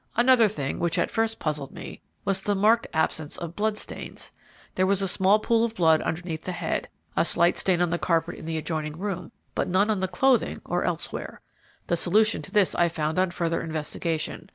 Another thing, which at first puzzled me, was the marked absence of blood stains. There was a small pool of blood underneath the head, a slight stain on the carpet in the adjoining room, but none on the clothing or elsewhere. The solution to this I found on further investigation.